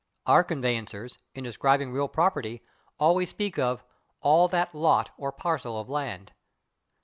Our conveyancers, in describing real property, always speak of "all that /lot/ or /parcel/ of land."